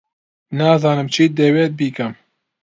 نازانم چیت دەوێت بیکەم.